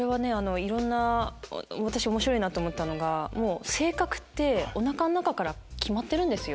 私面白いなと思ったのが性格っておなかの中から決まってるんですよ。